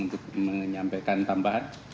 untuk menyampaikan tambahan